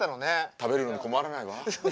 食べるのに困らないわ。